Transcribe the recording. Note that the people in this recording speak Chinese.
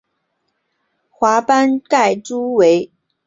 华斑盖蛛为皿蛛科盖蛛属的动物。